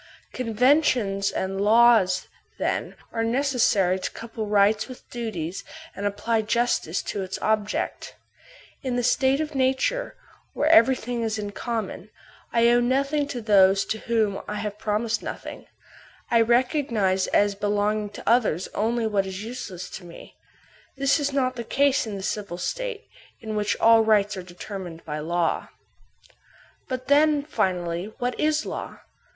Conventions and laws, then, are neces sary to couple rights with duties and apply justice to its object. In the state of nature, where everything is in common, I owe nothing to those to whom I have prom ised nothing; I recognize as belonging to others only what is useless to me. This is not the case in the civil state, in which all rights are determined by law. But then, finally, what is a law